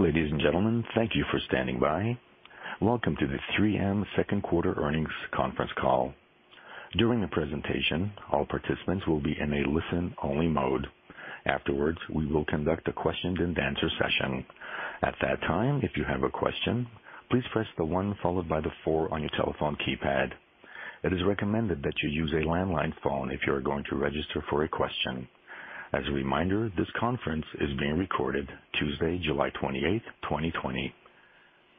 Ladies and gentlemen, thank you for standing by. Welcome to the 3M second quarter earnings conference call. During the presentation, all participants will be in a listen-only mode. Afterwards, we will conduct a question-and-answer session. At that time, if you have a question, please press the one followed by the four on your telephone keypad. It is recommended that you use a landline phone if you are going to register for a question. As a reminder, this conference is being recorded Tuesday, July 28th, 2020.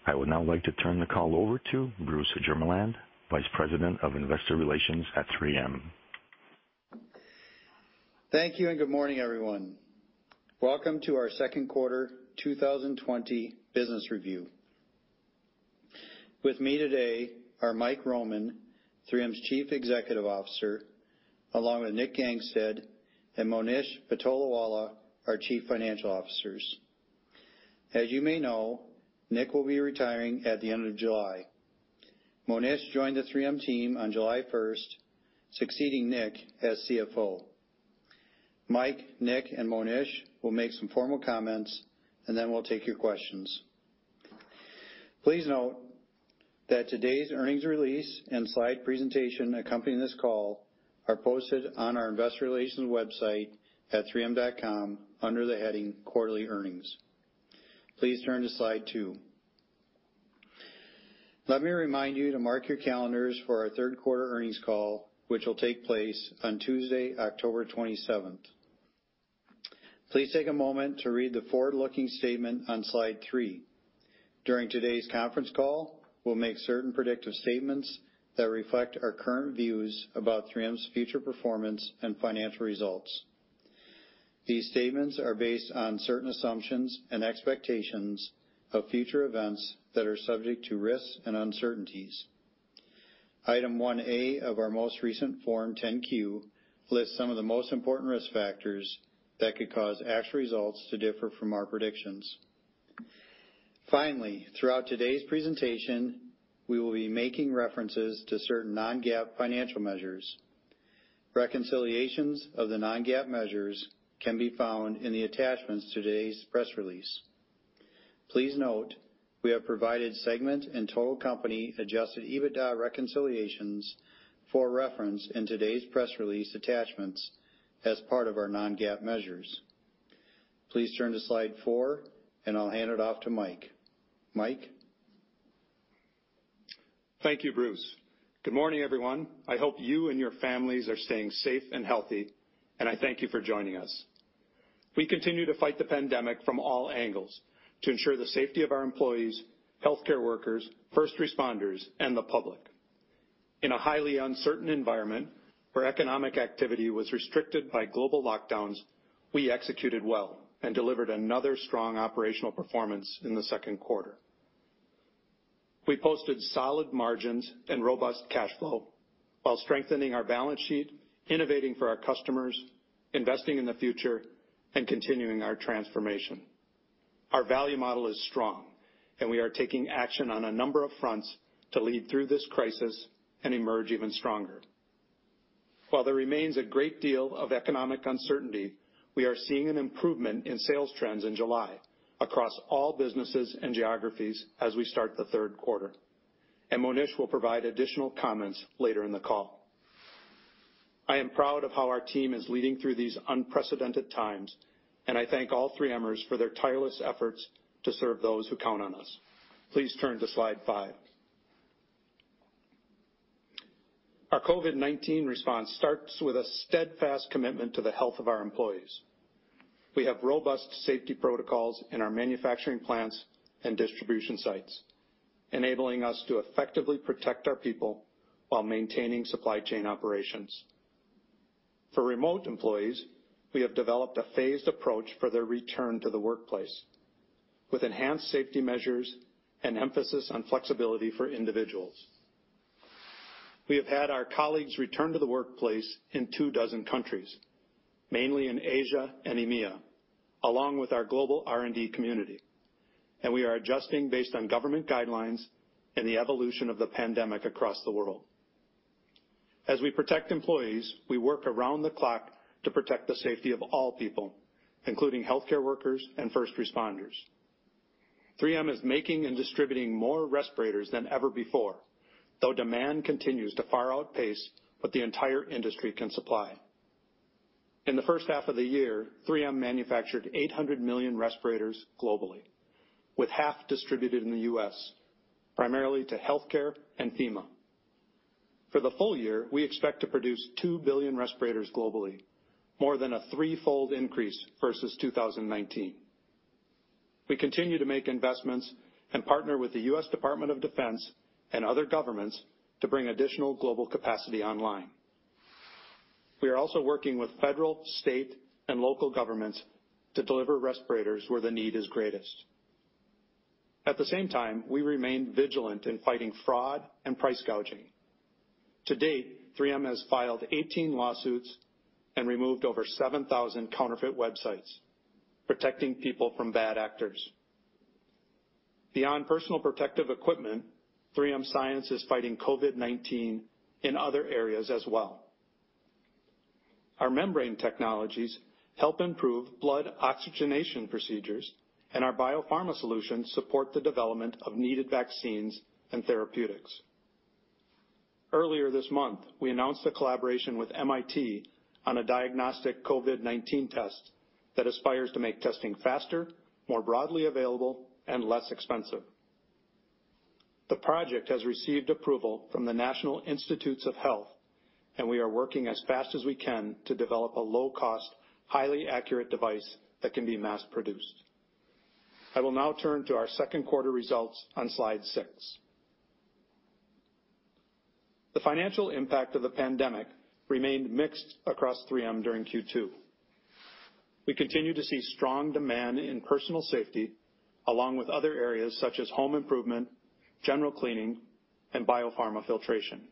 I would now like to turn the call over to Bruce Jermeland, Vice President of Investor Relations at 3M. Thank you. Good morning, everyone. Welcome to our second quarter 2020 business review. With me today are Mike Roman, 3M's Chief Executive Officer, along with Nick Gangestad and Monish Patolawala, our Chief Financial Officers. As you may know, Nick will be retiring at the end of July. Monish joined the 3M team on July 1st, succeeding Nick as CFO. Mike, Nick, and Monish will make some formal comments, and then we'll take your questions. Please note that today's earnings release and slide presentation accompanying this call are posted on our investor relations website at 3m.com under the heading Quarterly Earnings. Please turn to slide two. Let me remind you to mark your calendars for our third quarter earnings call, which will take place on Tuesday, October 27th. Please take a moment to read the forward-looking statement on slide three. During today's conference call, we'll make certain predictive statements that reflect our current views about 3M's future performance and financial results. These statements are based on certain assumptions and expectations of future events that are subject to risk and uncertainties. Item 1A of our most recent Form 10-Q lists some of the most important risk factors that could cause actual results to differ from our predictions. Finally, throughout today's presentation, we will be making references to certain non-GAAP financial measures. Reconciliations of the non-GAAP measures can be found in the attachments today's press release. Please note we have provided segment and total company adjusted EBITDA reconciliations for reference in today's press release attachments as part of our non-GAAP measures. Please turn to slide four, and I'll hand it off to Mike. Mike? Thank you, Bruce. Good morning, everyone. I hope you and your families are staying safe and healthy, and I thank you for joining us. We continue to fight the pandemic from all angles to ensure the safety of our employees, healthcare workers, first responders, and the public. In a highly uncertain environment where economic activity was restricted by global lockdowns, we executed well and delivered another strong operational performance in the second quarter. We posted solid margins and robust cash flow while strengthening our balance sheet, innovating for our customers, investing in the future, and continuing our transformation. Our value model is strong, and we are taking action on a number of fronts to lead through this crisis and emerge even stronger. While there remains a great deal of economic uncertainty, we are seeing an improvement in sales trends in July across all businesses and geographies as we start the third quarter, and Monish will provide additional comments later in the call. I am proud of how our team is leading through these unprecedented times, and I thank all 3Mers for their tireless efforts to serve those who count on us. Please turn to slide five. Our COVID-19 response starts with a steadfast commitment to the health of our employees. We have robust safety protocols in our manufacturing plants and distribution sites, enabling us to effectively protect our people while maintaining supply chain operations. For remote employees, we have developed a phased approach for their return to the workplace with enhanced safety measures and emphasis on flexibility for individuals. We have had our colleagues return to the workplace in two dozen countries, mainly in Asia and EMEA, along with our global R&D community, and we are adjusting based on government guidelines and the evolution of the pandemic across the world. As we protect employees, we work around the clock to protect the safety of all people, including healthcare workers and first responders. 3M is making and distributing more respirators than ever before, though demand continues to far outpace what the entire industry can supply. In the first half of the year, 3M manufactured 800 million respirators globally, with half distributed in the U.S., primarily to healthcare and FEMA. For the full year, we expect to produce 2 billion respirators globally, more than a threefold increase versus 2019. We continue to make investments and partner with the U.S. Department of Defense and other governments to bring additional global capacity online. We are also working with federal, state, and local governments to deliver respirators where the need is greatest. At the same time, we remain vigilant in fighting fraud and price gouging. To date, 3M has filed 18 lawsuits and removed over 7,000 counterfeit websites, protecting people from bad actors. Beyond personal protective equipment, 3M Science is fighting COVID-19 in other areas as well. Our membrane technologies help improve blood oxygenation procedures, and our biopharma solutions support the development of needed vaccines and therapeutics. Earlier this month, we announced a collaboration with MIT on a diagnostic COVID-19 test that aspires to make testing faster, more broadly available, and less expensive. The project has received approval from the National Institutes of Health, and we are working as fast as we can to develop a low-cost, highly accurate device that can be mass-produced. I will now turn to our second quarter results on slide six. The financial impact of the pandemic remained mixed across 3M during Q2. We continue to see strong demand in personal safety, along with other areas such as home improvement, general cleaning, and biopharma filtration.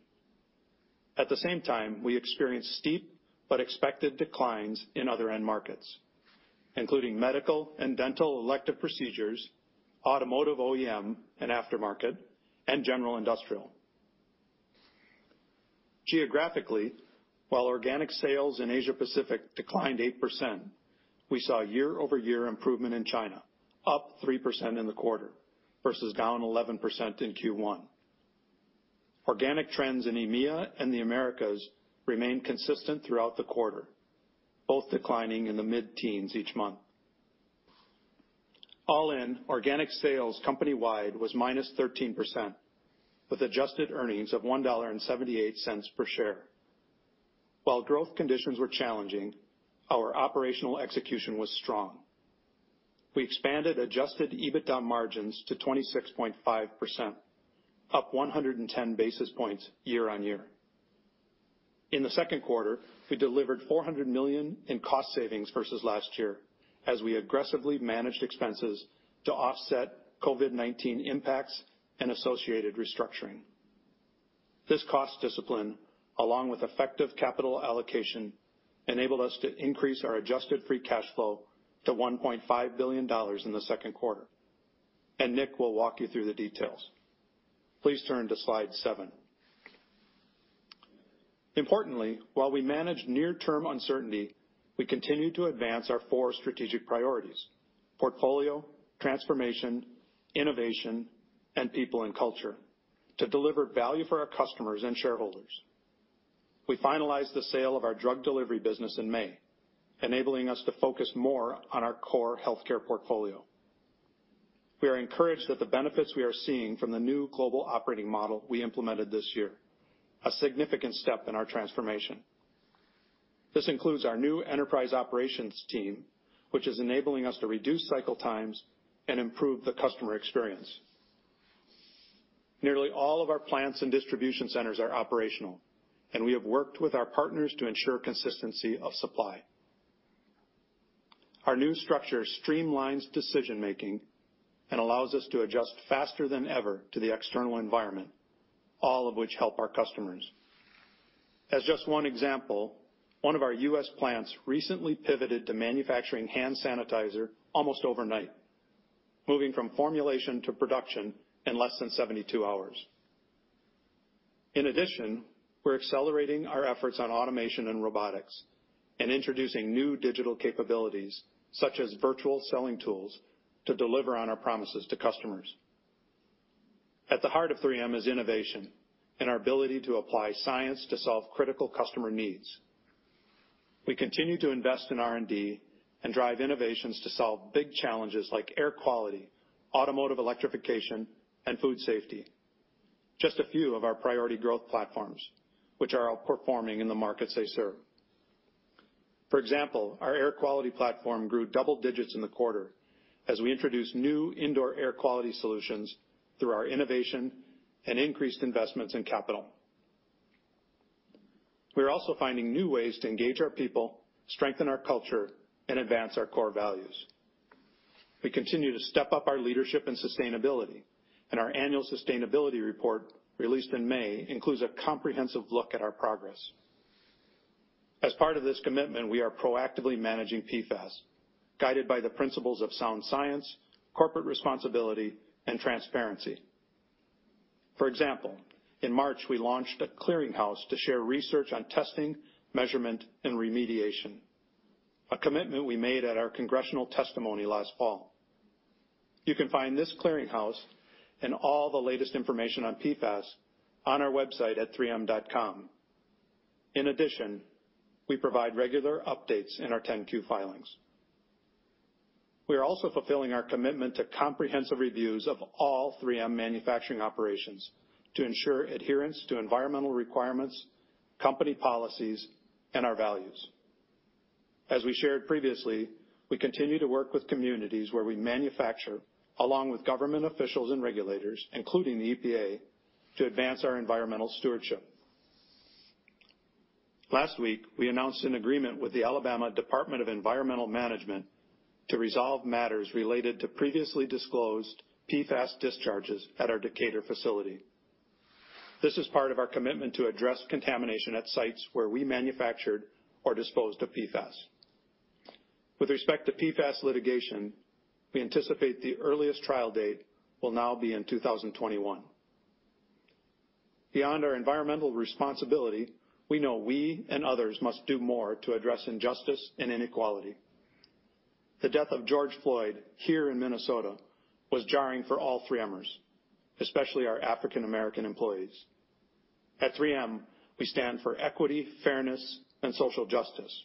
At the same time, we experienced steep but expected declines in other end markets, including medical and dental elective procedures, automotive OEM and aftermarket, and general industrial. Geographically, while organic sales in Asia Pacific declined 8%, we saw year-over-year improvement in China, up 3% in the quarter versus down 11% in Q1. Organic trends in EMEA and the Americas remained consistent throughout the quarter, both declining in the mid-teens each month. All in, organic sales company-wide was -13%, with adjusted earnings of $1.78 per share. While growth conditions were challenging, our operational execution was strong. We expanded adjusted EBITDA margins to 26.5%, up 110 basis points year on year. In the second quarter, we delivered $400 million in cost savings versus last year, as we aggressively managed expenses to offset COVID-19 impacts and associated restructuring. This cost discipline, along with effective capital allocation, enabled us to increase our adjusted free cash flow to $1.5 billion in the second quarter. Nick will walk you through the details. Please turn to slide seven. Importantly, while we manage near-term uncertainty, we continue to advance our four strategic priorities: portfolio, transformation, innovation, and people and culture to deliver value for our customers and shareholders. We finalized the sale of our drug delivery business in May, enabling us to focus more on our core healthcare portfolio. We are encouraged that the benefits we are seeing from the new global operating model we implemented this year, a significant step in our transformation. This includes our new enterprise operations team, which is enabling us to reduce cycle times and improve the customer experience. Nearly all of our plants and distribution centers are operational, and we have worked with our partners to ensure consistency of supply. Our new structure streamlines decision-making and allows us to adjust faster than ever to the external environment, all of which help our customers. As just one example, one of our U.S. plants recently pivoted to manufacturing hand sanitizer almost overnight, moving from formulation to production in less than 72 hours. In addition, we're accelerating our efforts on automation and robotics and introducing new digital capabilities, such as virtual selling tools, to deliver on our promises to customers. At the heart of 3M is innovation and our ability to apply science to solve critical customer needs. We continue to invest in R&D and drive innovations to solve big challenges like air quality, automotive electrification, and food safety. Just a few of our priority growth platforms, which are outperforming in the markets they serve. For example, our air quality platform grew double digits in the quarter as we introduced new indoor air quality solutions through our innovation and increased investments in capital. We are also finding new ways to engage our people, strengthen our culture, and advance our core values. We continue to step up our leadership and sustainability, and our annual sustainability report, released in May, includes a comprehensive look at our progress. As part of this commitment, we are proactively managing PFAS, guided by the principles of sound science, corporate responsibility, and transparency. For example, in March, we launched a clearing house to share research on testing, measurement, and remediation, a commitment we made at our congressional testimony last fall. You can find this clearing house and all the latest information on PFAS on our website at 3m.com. In addition, we provide regular updates in our 10-Q filings. We are also fulfilling our commitment to comprehensive reviews of all 3M manufacturing operations to ensure adherence to environmental requirements, company policies, and our values. As we shared previously, we continue to work with communities where we manufacture, along with government officials and regulators, including the EPA, to advance our environmental stewardship. Last week, we announced an agreement with the Alabama Department of Environmental Management to resolve matters related to previously disclosed PFAS discharges at our Decatur facility. This is part of our commitment to address contamination at sites where we manufactured or disposed of PFAS. With respect to PFAS litigation, we anticipate the earliest trial date will now be in 2021. Beyond our environmental responsibility, we know we and others must do more to address injustice and inequality. The death of George Floyd here in Minnesota was jarring for all 3Mers, especially our African American employees. At 3M, we stand for equity, fairness, and social justice,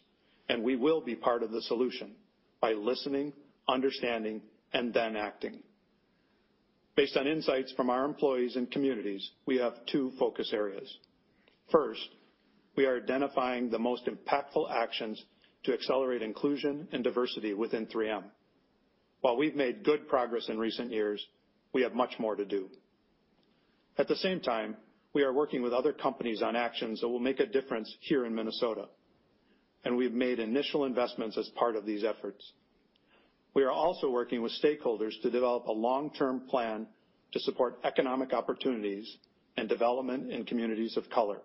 and we will be part of the solution by listening, understanding, and then acting. Based on insights from our employees and communities, we have two focus areas. First, we are identifying the most impactful actions to accelerate inclusion and diversity within 3M. While we've made good progress in recent years, we have much more to do. At the same time, we are working with other companies on actions that will make a difference here in Minnesota, and we've made initial investments as part of these efforts. We are also working with stakeholders to develop a long-term plan to support economic opportunities and development in communities of color,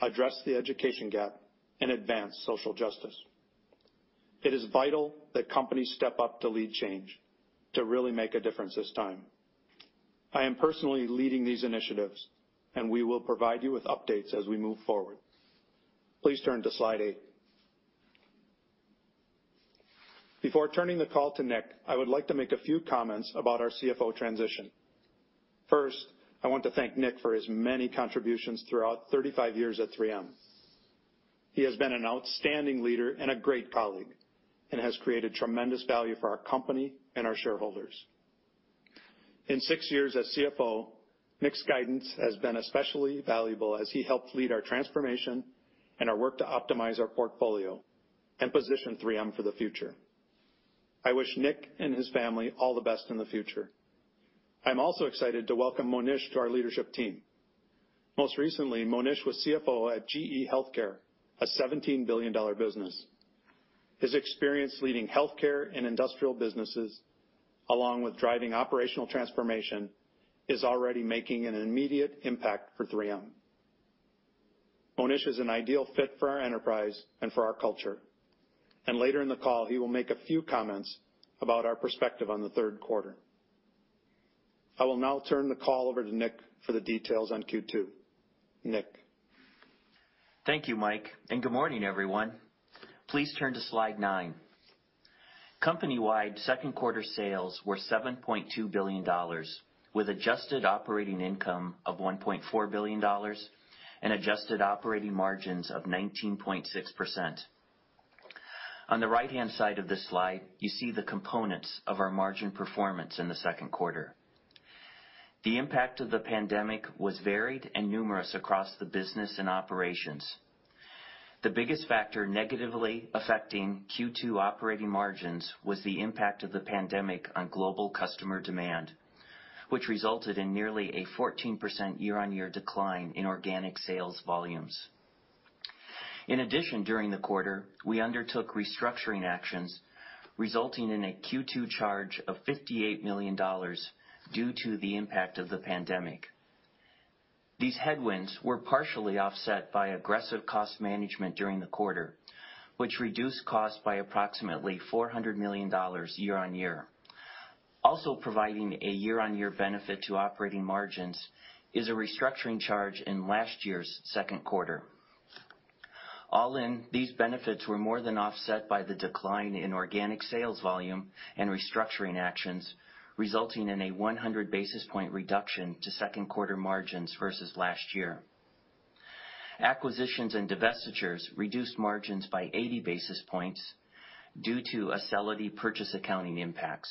address the education gap, and advance social justice. It is vital that companies step up to lead change to really make a difference this time. I am personally leading these initiatives, and we will provide you with updates as we move forward. Please turn to slide eight. Before turning the call to Nick, I would like to make a few comments about our CFO transition. First, I want to thank Nick for his many contributions throughout 35 years at 3M. He has been an outstanding leader and a great colleague and has created tremendous value for our company and our shareholders. In six years as CFO, Nick's guidance has been especially valuable as he helped lead our transformation and our work to optimize our portfolio and position 3M for the future. I wish Nick and his family all the best in the future. I'm also excited to welcome Monish to our leadership team. Most recently, Monish was CFO at GE Healthcare, a $17 billion business. His experience leading healthcare and industrial businesses, along with driving operational transformation, is already making an immediate impact for 3M. Monish is an ideal fit for our enterprise and for our culture. Later in the call, he will make a few comments about our perspective on the third quarter. I will now turn the call over to Nick for the details on Q2. Nick. Thank you, Mike, and good morning, everyone. Please turn to slide nine. Company-wide second quarter sales were $7.2 billion with adjusted operating income of $1.4 billion and adjusted operating margins of 19.6%. On the right-hand side of this slide, you see the components of our margin performance in the second quarter. The impact of the pandemic was varied and numerous across the business and operations. The biggest factor negatively affecting Q2 operating margins was the impact of the pandemic on global customer demand, which resulted in nearly a 14% year-on-year decline in organic sales volumes. In addition, during the quarter, we undertook restructuring actions resulting in a Q2 charge of $58 million due to the impact of the pandemic. These headwinds were partially offset by aggressive cost management during the quarter, which reduced costs by approximately $400 million year-on-year. Also providing a year-on-year benefit to operating margins is a restructuring charge in last year's second quarter. All in, these benefits were more than offset by the decline in organic sales volume and restructuring actions, resulting in a 100 basis point reduction to second quarter margins versus last year. Acquisitions and divestitures reduced margins by 80 basis points due to Acelity purchase accounting impacts.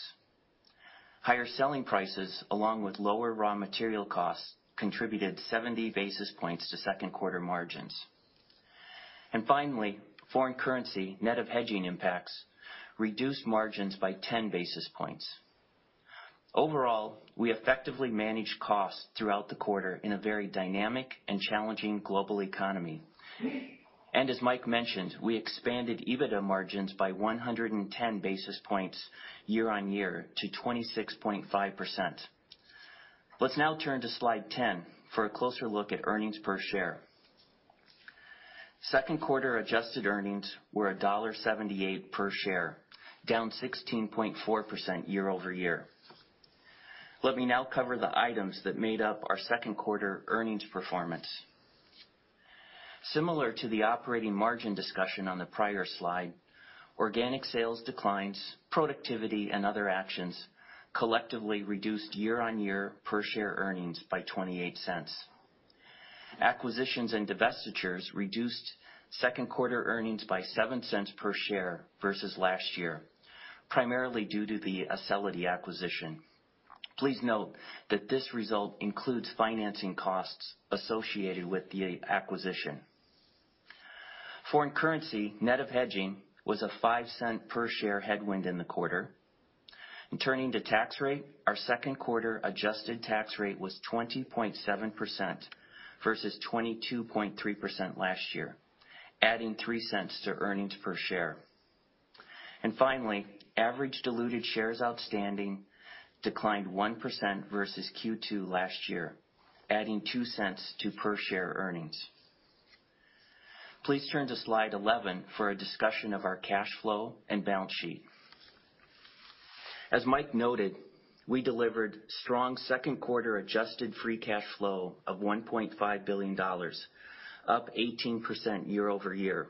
Higher selling prices, along with lower raw material costs, contributed 70 basis points to second quarter margins. Finally, foreign currency net of hedging impacts reduced margins by 10 basis points. Overall, we effectively managed costs throughout the quarter in a very dynamic and challenging global economy. As Mike mentioned, we expanded EBITDA margins by 110 basis points year-on-year to 26.5%. Let's now turn to slide 10 for a closer look at earnings per share. Second quarter adjusted earnings were $1.78 per share, down 16.4% year-over-year. Let me now cover the items that made up our second quarter earnings performance. Similar to the operating margin discussion on the prior slide, organic sales declines, productivity, and other actions collectively reduced year-on-year per share earnings by $0.28. Acquisitions and divestitures reduced second quarter earnings by $0.07 per share versus last year, primarily due to the Acelity acquisition. Please note that this result includes financing costs associated with the acquisition. Foreign currency, net of hedging, was a $0.05 per share headwind in the quarter. Turning to tax rate, our second quarter adjusted tax rate was 20.7% versus 22.3% last year, adding $0.03 to earnings per share. Finally, average diluted shares outstanding declined 1% versus Q2 last year, adding $0.02 to per share earnings. Please turn to slide 11 for a discussion of our cash flow and balance sheet. As Mike noted, we delivered strong second quarter adjusted free cash flow of $1.5 billion, up 18% year-over-year.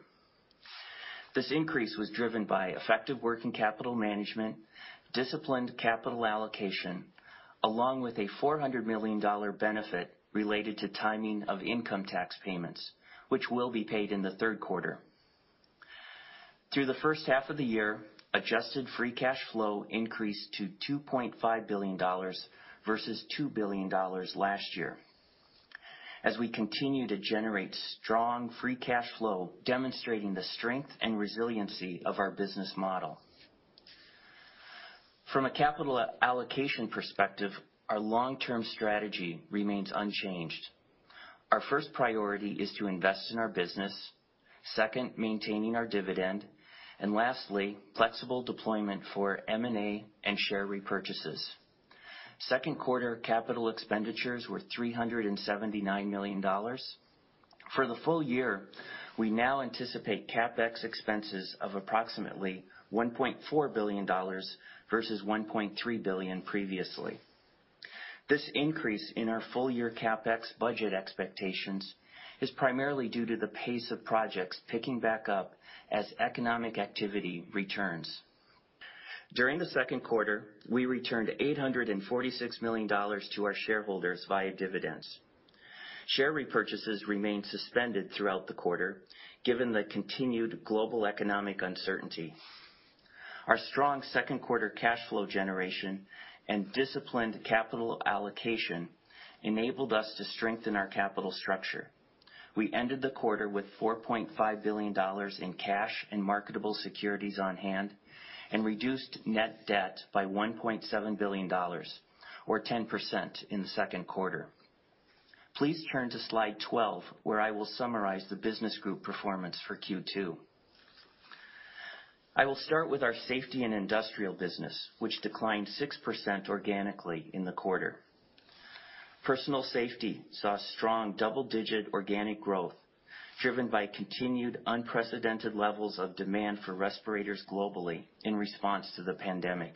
This increase was driven by effective working capital management, disciplined capital allocation, along with a $400 million benefit related to timing of income tax payments, which will be paid in the third quarter. Through the first half of the year, adjusted free cash flow increased to $2.5 billion versus $2 billion last year. We continue to generate strong free cash flow, demonstrating the strength and resiliency of our business model. From a capital allocation perspective, our long-term strategy remains unchanged. Our first priority is to invest in our business. Second, maintaining our dividend. Lastly, flexible deployment for M&A and share repurchases. Second quarter capital expenditures were $379 million. For the full year, we now anticipate CapEx expenses of approximately $1.4 billion versus $1.3 billion previously. This increase in our full-year CapEx budget expectations is primarily due to the pace of projects picking back up as economic activity returns. During the second quarter, we returned $846 million to our shareholders via dividends. Share repurchases remained suspended throughout the quarter, given the continued global economic uncertainty. Our strong second quarter cash flow generation and disciplined capital allocation enabled us to strengthen our capital structure. We ended the quarter with $4.5 billion in cash and marketable securities on hand and reduced net debt by $1.7 billion, or 10% in the second quarter. Please turn to slide 12, where I will summarize the business group performance for Q2. I will start with our Safety and Industrial business, which declined 6% organically in the quarter. Personal safety saw strong double-digit organic growth, driven by continued unprecedented levels of demand for respirators globally in response to the pandemic.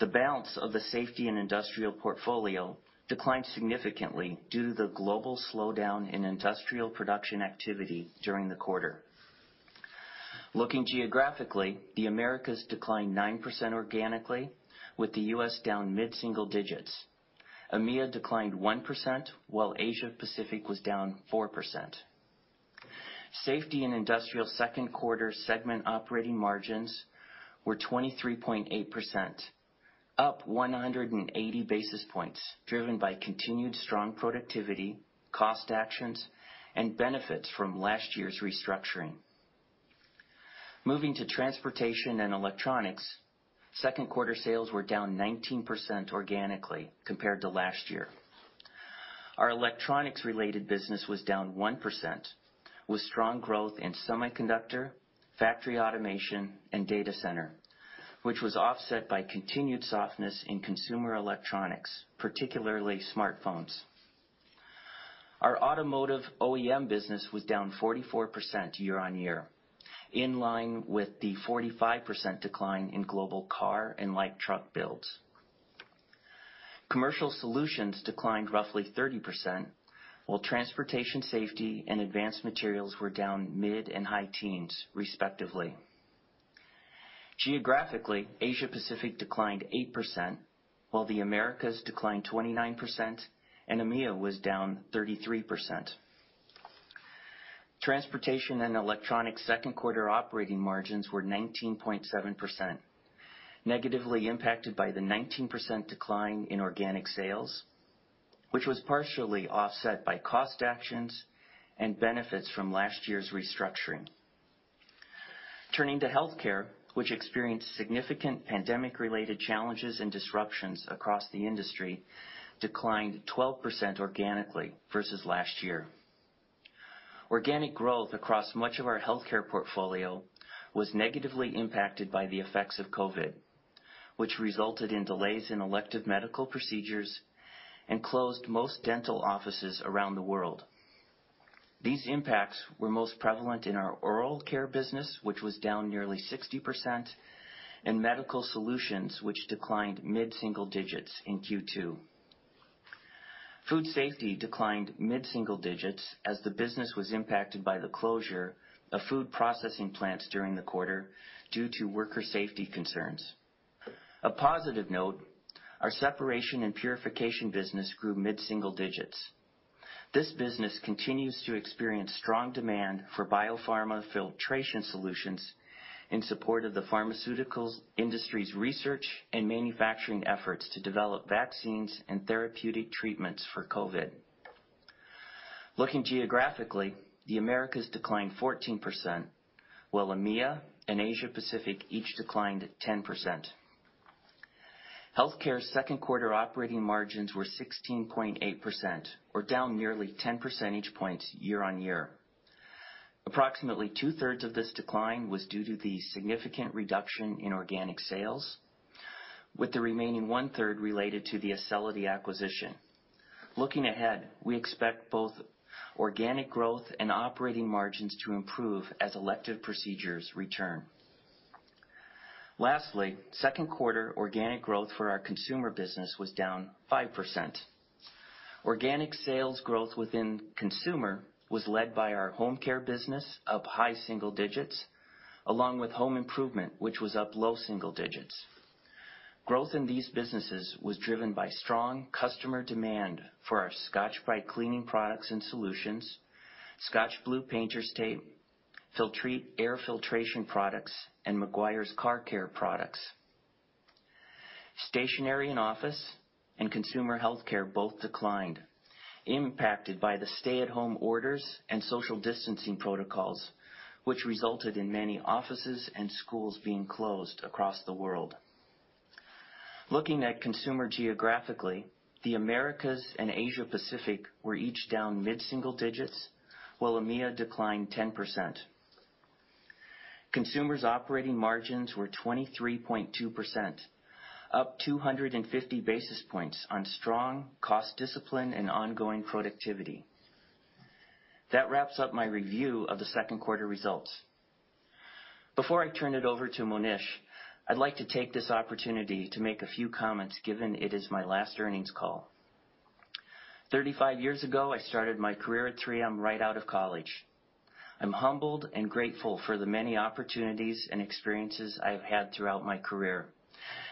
The balance of the Safety and Industrial portfolio declined significantly due to the global slowdown in industrial production activity during the quarter. Looking geographically, the Americas declined 9% organically, with the U.S. down mid-single digits. EMEA declined 1%, while Asia Pacific was down 4%. Safety and Industrial second quarter segment operating margins were 23.8%, up 180 basis points, driven by continued strong productivity, cost actions, and benefits from last year's restructuring. Moving to Transportation and Electronics, second quarter sales were down 19% organically compared to last year. Our electronics-related business was down 1%, with strong growth in semiconductor, factory automation, and data center, which was offset by continued softness in consumer electronics, particularly smartphones. Our automotive OEM business was down 44% year-on-year, in line with the 45% decline in global car and light truck builds. Commercial solutions declined roughly 30%, while transportation safety and advanced materials were down mid and high teens, respectively. Geographically, Asia Pacific declined 8%, while the Americas declined 29%, and EMEA was down 33%. Transportation and Electronics second quarter operating margins were 19.7%, negatively impacted by the 19% decline in organic sales, which was partially offset by cost actions and benefits from last year's restructuring. Turning to Healthcare, which experienced significant pandemic-related challenges and disruptions across the industry, declined 12% organically versus last year. Organic growth across much of our healthcare portfolio was negatively impacted by the effects of COVID, which resulted in delays in elective medical procedures and closed most dental offices around the world. These impacts were most prevalent in our oral care business, which was down nearly 60%, and medical solutions, which declined mid-single digits in Q2. Food safety declined mid-single digits as the business was impacted by the closure of food processing plants during the quarter due to worker safety concerns. A positive note, our separation and purification business grew mid-single digits. This business continues to experience strong demand for biopharma filtration solutions in support of the pharmaceutical industry's research and manufacturing efforts to develop vaccines and therapeutic treatments for COVID. Looking geographically, the Americas declined 14%, while EMEA and Asia Pacific each declined 10%. Healthcare second quarter operating margins were 16.8%, or down nearly 10 percentage points year-on-year. Approximately two-thirds of this decline was due to the significant reduction in organic sales. With the remaining one-third related to the Acelity acquisition. Looking ahead, we expect both organic growth and operating margins to improve as elective procedures return. Lastly, second quarter organic growth for our consumer business was down 5%. Organic sales growth within consumer was led by our home care business, up high single digits, along with home improvement, which was up low single digits. Growth in these businesses was driven by strong customer demand for our Scotch-Brite cleaning products and solutions, ScotchBlue painter's tape, Filtrete air filtration products, and Meguiar's car care products. Stationery and office and consumer healthcare both declined, impacted by the stay-at-home orders and social distancing protocols, which resulted in many offices and schools being closed across the world. Looking at consumer geographically, the Americas and Asia Pacific were each down mid-single digits, while EMEA declined 10%. Consumer's operating margins were 23.2%, up 250 basis points on strong cost discipline and ongoing productivity. That wraps up my review of the second quarter results. Before I turn it over to Monish, I'd like to take this opportunity to make a few comments, given it is my last earnings call. 35 years ago, I started my career at 3M right out of college. I'm humbled and grateful for the many opportunities and experiences I've had throughout my career,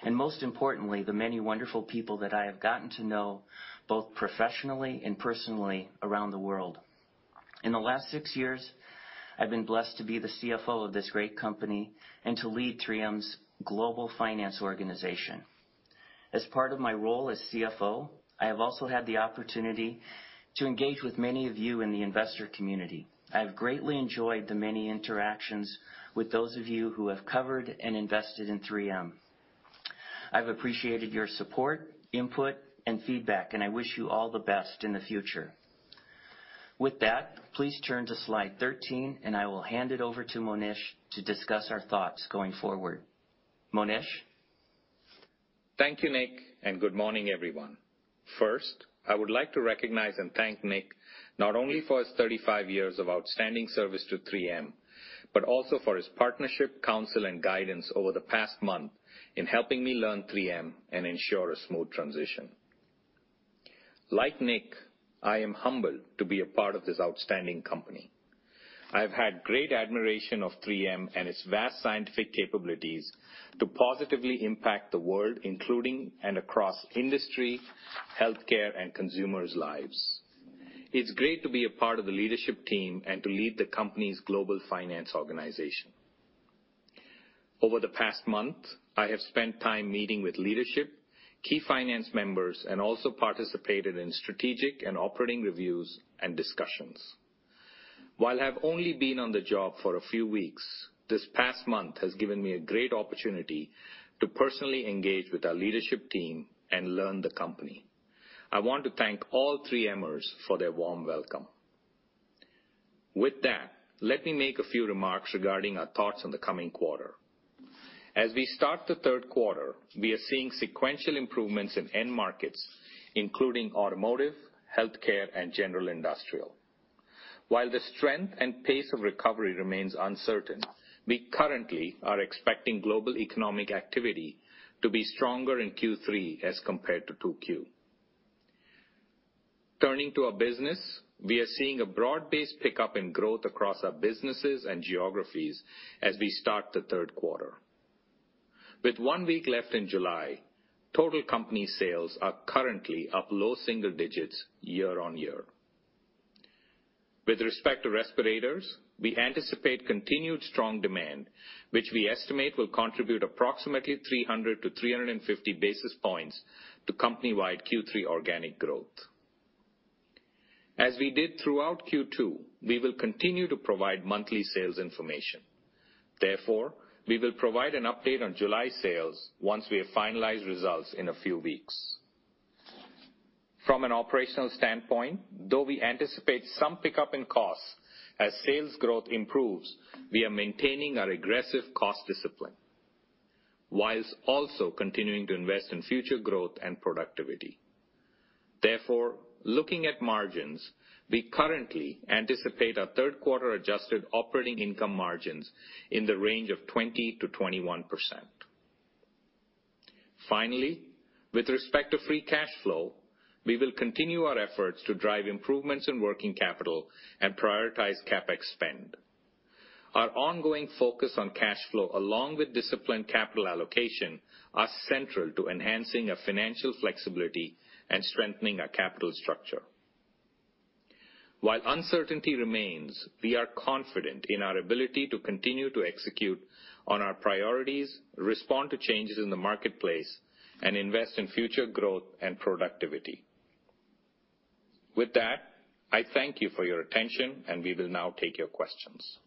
and most importantly, the many wonderful people that I have gotten to know, both professionally and personally, around the world. In the last six years, I've been blessed to be the CFO of this great company and to lead 3M's global finance organization. As part of my role as CFO, I have also had the opportunity to engage with many of you in the investor community. I have greatly enjoyed the many interactions with those of you who have covered and invested in 3M. I've appreciated your support, input, and feedback, and I wish you all the best in the future. With that, please turn to slide 13, and I will hand it over to Monish to discuss our thoughts going forward. Monish? Thank you, Nick. Good morning, everyone. First, I would like to recognize and thank Nick not only for his 35 years of outstanding service to 3M, but also for his partnership, counsel, and guidance over the past month in helping me learn 3M and ensure a smooth transition. Like Nick, I am humbled to be a part of this outstanding company. I've had great admiration of 3M and its vast scientific capabilities to positively impact the world, including and across industry, healthcare, and consumers' lives. It's great to be a part of the leadership team and to lead the company's global finance organization. Over the past month, I have spent time meeting with leadership, key finance members, and also participated in strategic and operating reviews and discussions. While I've only been on the job for a few weeks, this past month has given me a great opportunity to personally engage with our leadership team and learn the company. I want to thank all 3Mers for their warm welcome. Let me make a few remarks regarding our thoughts on the coming quarter. As we start the third quarter, we are seeing sequential improvements in end markets, including automotive, healthcare, and general industrial. While the strength and pace of recovery remains uncertain, we currently are expecting global economic activity to be stronger in Q3 as compared to 2Q. Turning to our business, we are seeing a broad-based pickup in growth across our businesses and geographies as we start the third quarter. With one week left in July, total company sales are currently up low single digits year-on-year. With respect to respirators, we anticipate continued strong demand, which we estimate will contribute approximately 300-350 basis points to company-wide Q3 organic growth. As we did throughout Q2, we will continue to provide monthly sales information. We will provide an update on July sales once we have finalized results in a few weeks. From an operational standpoint, though we anticipate some pickup in costs as sales growth improves, we are maintaining our aggressive cost discipline whilst also continuing to invest in future growth and productivity. Looking at margins, we currently anticipate our third quarter adjusted operating income margins in the range of 20%-21%. Finally, with respect to free cash flow, we will continue our efforts to drive improvements in working capital and prioritize CapEx spend. Our ongoing focus on cash flow, along with disciplined capital allocation, are central to enhancing our financial flexibility and strengthening our capital structure. While uncertainty remains, we are confident in our ability to continue to execute on our priorities, respond to changes in the marketplace, and invest in future growth and productivity. With that, I thank you for your attention, and we will now take your questions.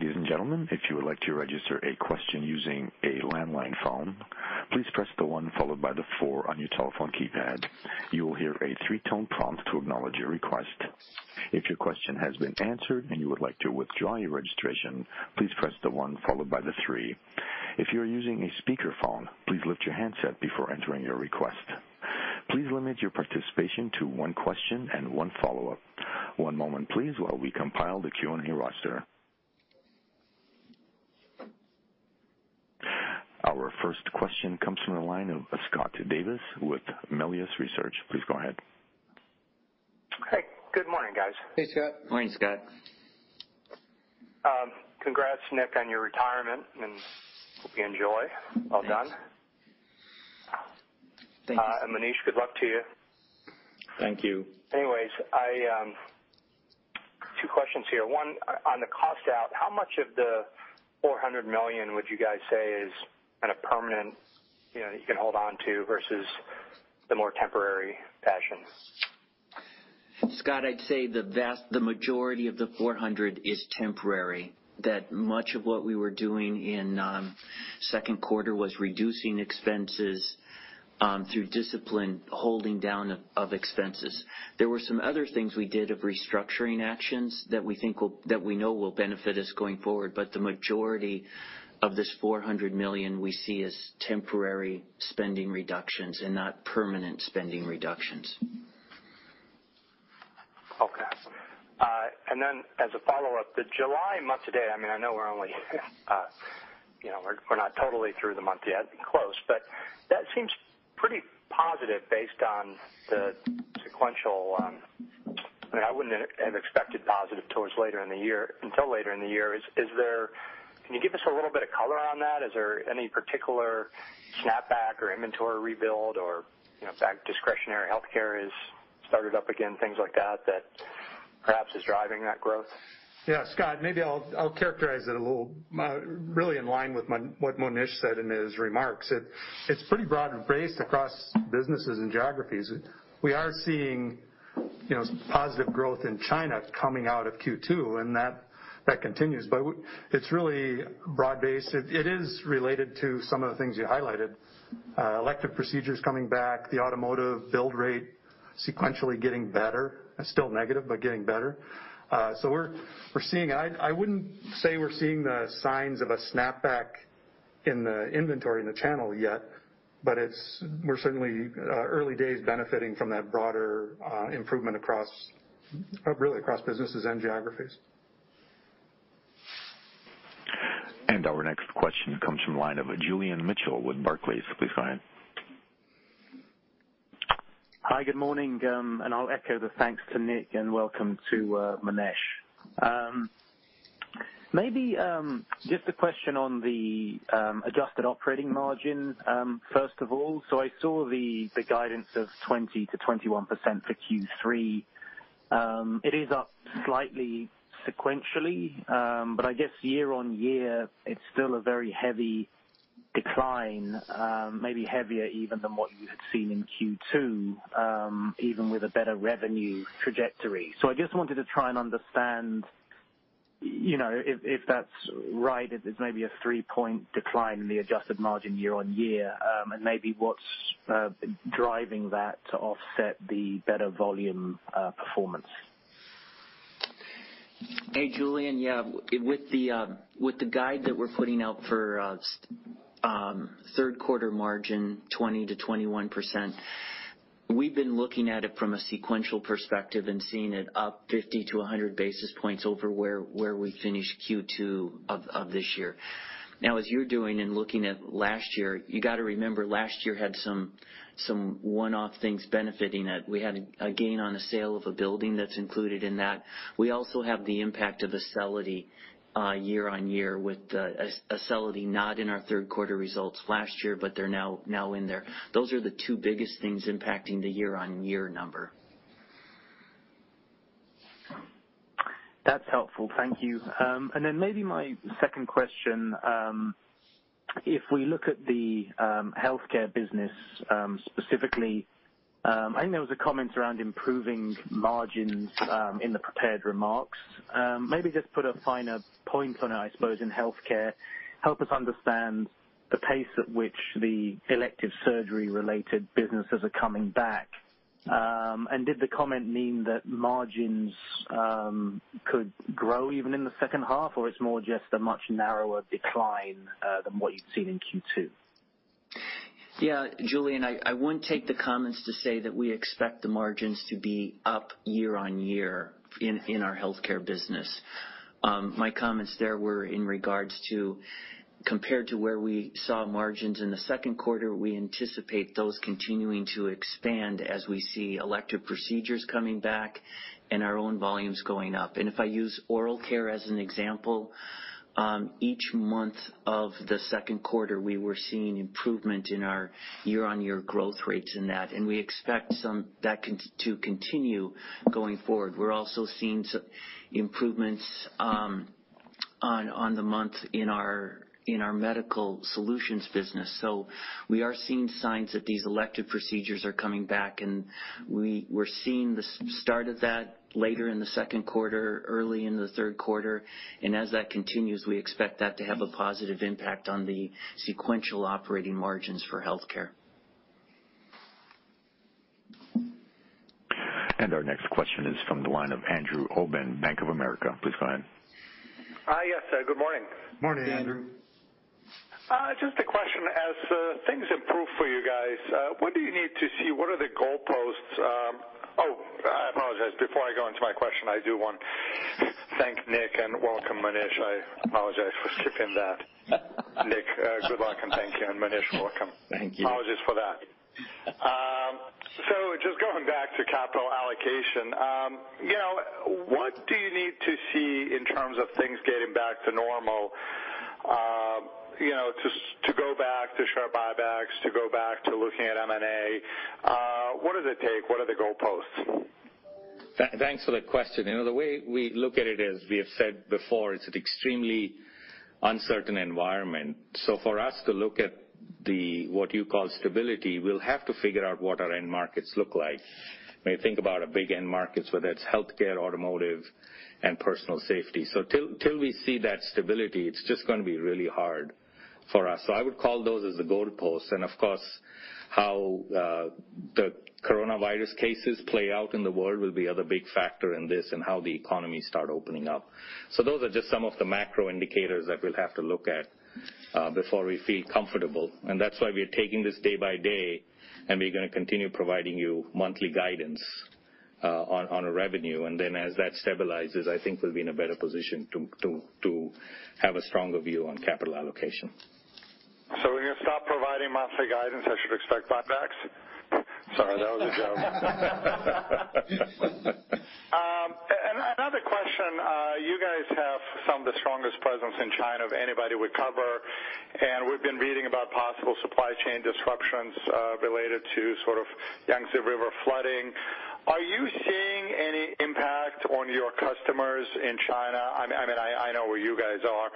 Ladies and gentlemen, if you would like to register a question using a landline phone. Please press the one followed by the four on your telephone keypad. You will hear a three-tone prompt to acknowledge your request. If your question has been answered and you would like to withdraw your registration, please press the one followed by the three. If you're using a speakerphone, please lift your handset before entering your request. Please limit your participation to one question and one follow-up. One moment, please, while we compile the Q&A roster. Our first question comes from the line of Scott Davis with Melius Research. Please go ahead. Hey, good morning, guys. Hey, Scott. Morning, Scott. Congrats, Nick, on your retirement, and hope you enjoy. Well done. Thanks. Monish, good luck to you. Thank you. Two questions here. One, on the cost out, how much of the $400 million would you guys say is permanent, that you can hold on to versus the more temporary actions? Scott, I'd say the vast majority of the $400 is temporary. Much of what we were doing in second quarter was reducing expenses through discipline, holding down of expenses. There were some other things we did of restructuring actions that we know will benefit us going forward. The majority of this $400 million we see as temporary spending reductions and not permanent spending reductions. Okay. As a follow-up, the July month to date, I know we're not totally through the month yet, close, but that seems pretty positive based on the sequential. I wouldn't have expected positive until later in the year. Can you give us a little bit of color on that? Is there any particular snapback or inventory rebuild or, in fact, discretionary healthcare has started up again, things like that perhaps is driving that growth? Scott, maybe I'll characterize it a little, really in line with what Monish said in his remarks. It's pretty broad-based across businesses and geographies. We are seeing positive growth in China coming out of Q2, and that continues. It's really broad-based. It is related to some of the things you highlighted. Elective procedures coming back, the automotive build rate sequentially getting better. Still negative, but getting better. I wouldn't say we're seeing the signs of a snapback in the inventory in the channel yet, but we're certainly early days benefiting from that broader improvement really across businesses and geographies. Our next question comes from the line of Julian Mitchell with Barclays. Please go ahead. Hi, good morning. I'll echo the thanks to Nick and welcome to Monish. Maybe just a question on the adjusted operating margin first of all. I saw the guidance of 20%-21% for Q3. It is up slightly sequentially, but I guess year-on-year, it's still a very heavy decline, maybe heavier even than what you had seen in Q2, even with a better revenue trajectory. I just wanted to try and understand, if that's right, if there's maybe a three-point decline in the adjusted margin year-on-year, and maybe what's driving that to offset the better volume performance. Hey, Julian. Yeah. With the guide that we're putting out for third quarter margin, 20%-21%, we've been looking at it from a sequential perspective and seeing it up 50-100 basis points over where we finished Q2 of this year. Now, as you're doing and looking at last year, you got to remember last year had some one-off things benefiting it. We had a gain on the sale of a building that's included in that. We also have the impact of Acelity year-on-year with Acelity not in our third quarter results last year, but they're now in there. Those are the two biggest things impacting the year-on-year number. That's helpful. Thank you. Maybe my second question, if we look at the healthcare business specifically, I think there was a comment around improving margins in the prepared remarks. Maybe just put a finer point on it, I suppose, in healthcare. Help us understand the pace at which the elective surgery related businesses are coming back. Did the comment mean that margins could grow even in the second half, or it's more just a much narrower decline than what you'd seen in Q2? Yeah. Julian, I wouldn't take the comments to say that we expect the margins to be up year-on-year in our healthcare business. My comments there were in regards to, compared to where we saw margins in the second quarter, we anticipate those continuing to expand as we see elective procedures coming back and our own volumes going up. If I use oral care as an example, each month of the second quarter, we were seeing improvement in our year-on-year growth rates in that, and we expect that to continue going forward. We're also seeing improvements on the month in our medical solutions business. We are seeing signs that these elective procedures are coming back, and we're seeing the start of that later in the second quarter, early in the third quarter. As that continues, we expect that to have a positive impact on the sequential operating margins for healthcare. Our next question is from the line of Andrew Obin, Bank of America. Please go ahead. Hi, yes. Good morning. Morning, Andrew. Just a question. As things improve for you guys, what do you need to see? What are the goalposts? I apologize. Before I go into my question, I do want to thank Nick and welcome Monish. I apologize for skipping that. Nick, good luck and thank you, and Monish, welcome. Thank you. Apologies for that. Just going back to capital allocation, what do you need to see in terms of things getting back to normal to go back to share buybacks, to go back to looking at M&A? What does it take? What are the goalposts? Thanks for the question. The way we look at it is, we have said before, it's an extremely uncertain environment. For us to look at the, what you call stability, we'll have to figure out what our end markets look like. When you think about our big end markets, whether that's healthcare, automotive, and personal safety. Till we see that stability, it's just going to be really hard for us. I would call those as the goalposts, and of course, how the coronavirus cases play out in the world will be the other big factor in this and how the economies start opening up. Those are just some of the macro indicators that we'll have to look at before we feel comfortable. That's why we are taking this day by day, and we're going to continue providing you monthly guidance on our revenue. As that stabilizes, I think we'll be in a better position to have a stronger view on capital allocation. When you stop providing monthly guidance, I should expect buybacks? Sorry, that was a joke. Another question. You guys have some of the strongest presence in China of anybody we cover, and we've been reading about possible supply chain disruptions related to Yangtze River flooding. Are you seeing any impact on your customers in China? I know where you guys are,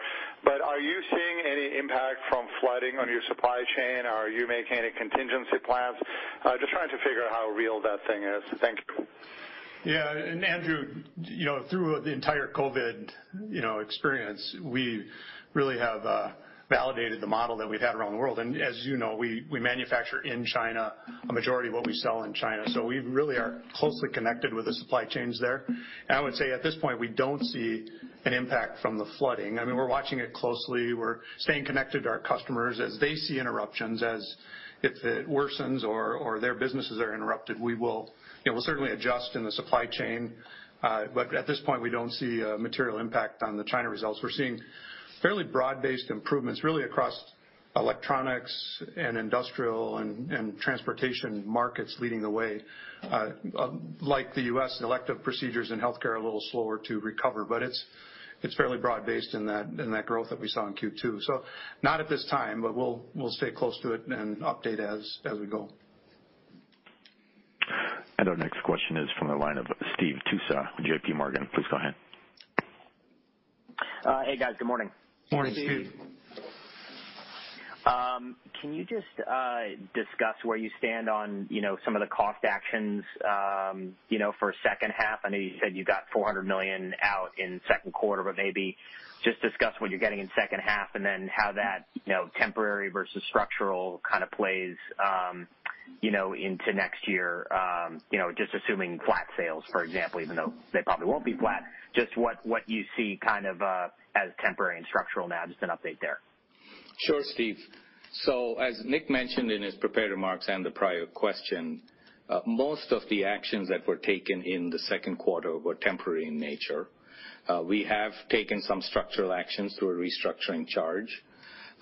but are you seeing any impact from flooding on your supply chain? Are you making any contingency plans? Just trying to figure out how real that thing is. Thank you. Yeah. Andrew, through the entire COVID experience, we really have validated the model that we've had around the world. As you know, we manufacture in China a majority of what we sell in China. We really are closely connected with the supply chains there. I would say at this point, we don't see an impact from the flooding. We're watching it closely. We're staying connected to our customers as they see interruptions, as if it worsens or their businesses are interrupted, we'll certainly adjust in the supply chain. At this point, we don't see a material impact on the China results. We're seeing fairly broad-based improvements, really across Electronics and Industrial and Transportation markets leading the way. Like the U.S., elective procedures in healthcare are a little slower to recover, but it's fairly broad-based in that growth that we saw in Q2 2020. Not at this time, but we'll stay close to it and update as we go. Our next question is from the line of Steve Tusa, JPMorgan. Please go ahead. Hey, guys. Good morning. Morning, Steve. Morning. Can you just discuss where you stand on some of the cost actions for second half? I know you said you got $400 million out in second quarter, maybe just discuss what you're getting in second half and then how that temporary versus structural kind of plays into next year. Just assuming flat sales, for example, even though they probably won't be flat, just what you see kind of as temporary and structural now. Just an update there. Sure, Steve. As Nick mentioned in his prepared remarks and the prior question, most of the actions that were taken in the second quarter were temporary in nature. We have taken some structural actions through a restructuring charge.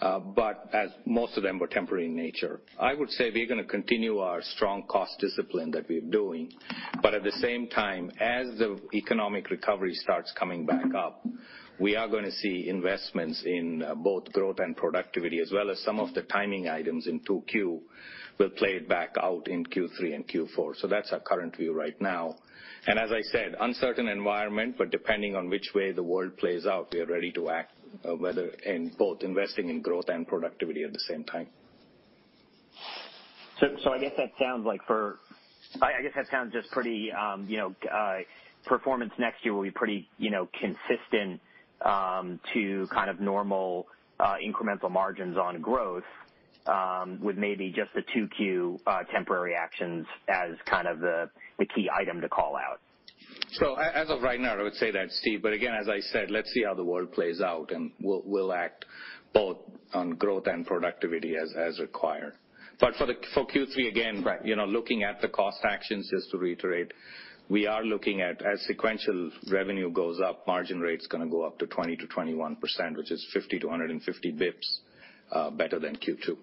As most of them were temporary in nature, I would say we're going to continue our strong cost discipline that we're doing. At the same time, as the economic recovery starts coming back up, we are going to see investments in both growth and productivity, as well as some of the timing items in 2Q will play back out in Q3 and Q4. That's our current view right now. As I said, uncertain environment, depending on which way the world plays out, we are ready to act, whether in both investing in growth and productivity at the same time. I guess that sounds just pretty, performance next year will be pretty consistent to kind of normal incremental margins on growth, with maybe just the 2Q temporary actions as kind of the key item to call out. As of right now, I would say that, Steve. Again, as I said, let's see how the world plays out, and we'll act both on growth and productivity as required. For Q3, again. Right. looking at the cost actions, just to reiterate, we are looking at as sequential revenue goes up, margin rate's going to go up to 20%-21%, which is 50-150 bps better than Q2.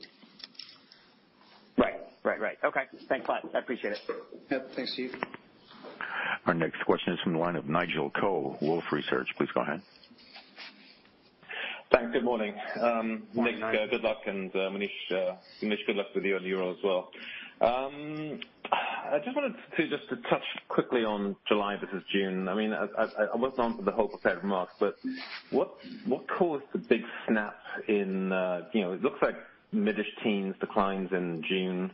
Right. Okay. Thanks a lot. I appreciate it. Yep. Thanks, Steve. Our next question is from the line of Nigel Coe, Wolfe Research. Please go ahead. Thanks. Good morning. Morning, Nigel. Nick, good luck, and Monish, good luck with you on Euro as well. I just wanted to touch quickly on July versus June. I wasn't on for the whole prepared remarks, but what caused the big snap in It looks like mid-ish teens declines in June?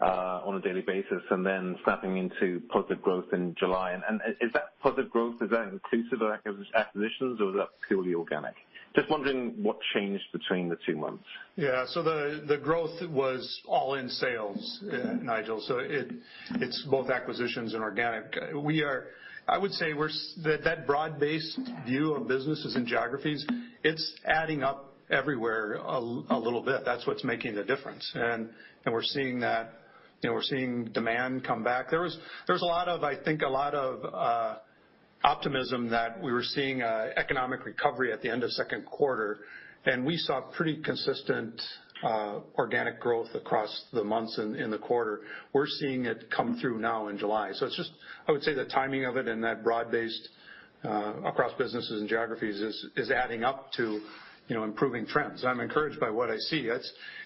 On a daily basis, snapping into positive growth in July. Is that positive growth inclusive of acquisitions or is that purely organic? Just wondering what changed between the two months. Yeah. The growth was all in sales, Nigel. It's both acquisitions and organic. I would say that broad-based view of businesses and geographies, it's adding up everywhere a little bit. That's what's making the difference. We're seeing demand come back. There was, I think, a lot of optimism that we were seeing economic recovery at the end of second quarter, and we saw pretty consistent organic growth across the months in the quarter. We're seeing it come through now in July. I would say the timing of it and that broad-based across businesses and geographies is adding up to improving trends. I'm encouraged by what I see.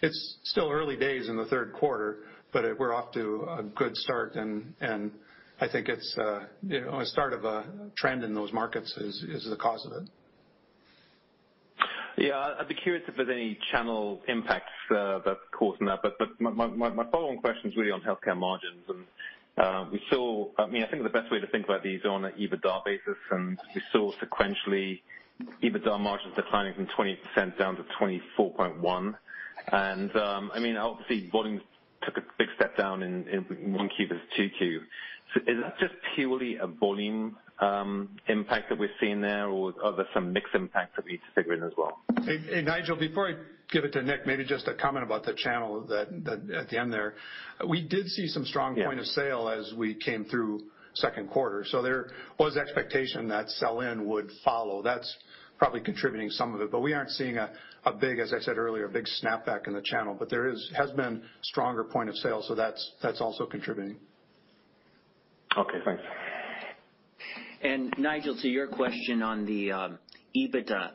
It's still early days in the third quarter, but we're off to a good start, and I think it's a start of a trend in those markets is the cause of it. I'd be curious if there's any channel impacts that's causing that. My follow-on question is really on healthcare margins. I think the best way to think about these are on an EBITDA basis, we saw sequentially EBITDA margins declining from 20% down to 24.1%. Obviously volumes took a big step down in 1Q versus 2Q. Is that just purely a volume impact that we're seeing there, or are there some mix impacts that we need to figure in as well? Hey, Nigel, before I give it to Nick, maybe just a comment about the channel at the end there. Yeah. We did see some stronger point of sale as we came through second quarter. There was expectation that sell-in would follow. That's probably contributing some of it, but we aren't seeing, as I said earlier, a big snapback in the channel. There has been stronger point of sale, so that's also contributing. Okay, thanks. Nigel, to your question on the EBITDA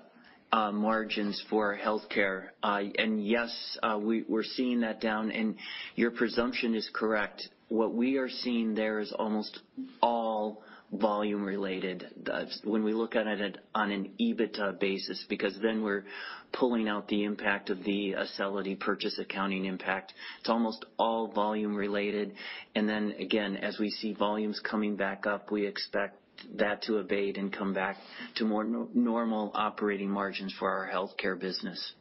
margins for healthcare, yes, we're seeing that down, your presumption is correct. What we are seeing there is almost all volume related. When we look at it on an EBITDA basis, because we're pulling out the impact of the Acelity purchase accounting impact, it's almost all volume related. Again, as we see volumes coming back up, we expect that to abate and come back to more normal operating margins for our healthcare business.